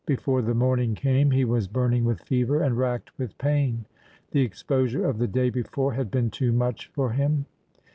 Before the morning came he was burning with fever and racked with pain. The exposure of the day before had been too much for him.